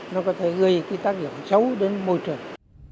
nó có thể gây cái tác dụng xấu đến môi trường